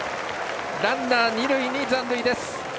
ランナー二塁に残塁です。